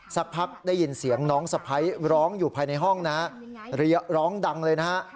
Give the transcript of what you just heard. สักพักได้ยินเสียงน้องสะพ้ายร้องอยู่ภายในห้องนะร้องดังเลยนะฮะ